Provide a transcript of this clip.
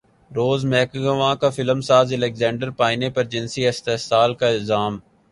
روز McGowan کا film ساز Alexander Payne پرجنسی استحصال کا الزام